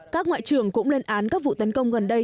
các ngoại trưởng cũng lên án các vụ tấn công gần đây